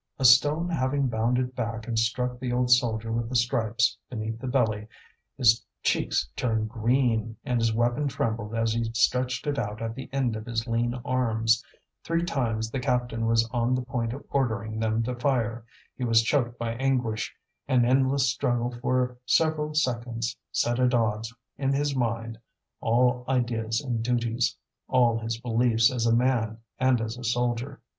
A stone having bounded back and struck the old soldier with the stripes beneath the belly, his cheeks turned green, and his weapon trembled as he stretched it out at the end of his lean arms. Three times the captain was on the point of ordering them to fire. He was choked by anguish; an endless struggle for several seconds set at odds in his mind all ideas and duties, all his beliefs as a man and as a soldier.